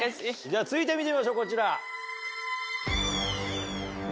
じゃ続いて見てみましょうこちら。